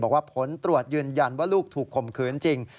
บอกว่าผลตรวจยืนยันว่าลูกถูกข่มขืนจริง